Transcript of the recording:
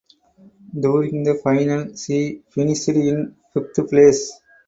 During the final she finished in fifth place.